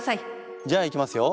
じゃあいきますよ。